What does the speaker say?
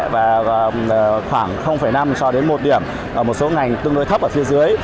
và khoảng năm cho đến một điểm ở một số ngành tương đối thấp ở phía dưới